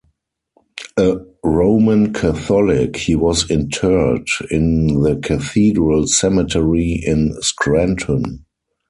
A Roman Catholic, he was interred in the Cathedral Cemetery in Scranton.